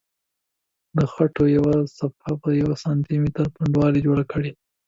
د خټو یوه صفحه په یوه سانتي متر پنډوالي جوړه کړئ.